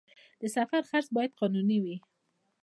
د سفر خرڅ باید قانوني وي